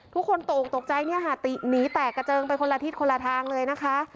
ทุกคนตกตกใจเนี่ยค่ะติหนีแตกกระเจิงไปคนละทิศคนละทางเลยนะคะ